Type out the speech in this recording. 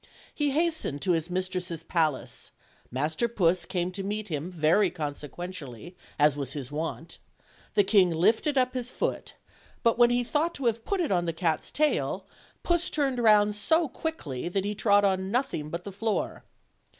He hastened to his mistress' palace; Master Puss came to meet him very consequentially, as was his wont; the king lifted up his foot, but when he thought to have put it on the cat's tail, Puss turned round so quickly that he trod on nothing but the floor.